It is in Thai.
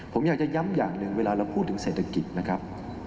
ผมอยากจะย้ำอย่างหนึ่งเวลาเราพูดถึงเศรษฐกิจนะครับ